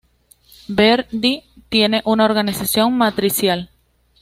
Ver.di tiene una organización matricial.